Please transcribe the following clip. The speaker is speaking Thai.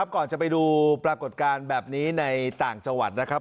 ก่อนจะไปดูปรากฏการณ์แบบนี้ในต่างจังหวัดนะครับ